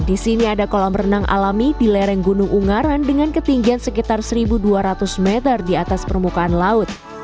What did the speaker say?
di sini ada kolam renang alami di lereng gunung ungaran dengan ketinggian sekitar satu dua ratus meter di atas permukaan laut